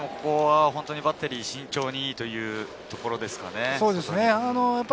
バッテリー慎重にというところですかね。